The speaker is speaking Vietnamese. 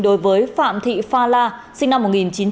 đối với phạm thị pha la sinh năm một nghìn chín trăm tám mươi